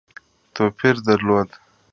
توپیر درلود.